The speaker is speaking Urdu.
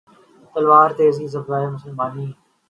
تلوار ہے تیزی میں صہبائے مسلمانی